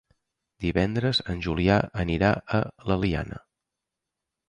Divendres en Julià anirà a l'Eliana.